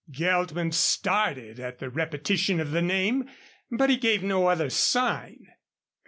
Geltman started at the repetition of the name, but he gave no other sign.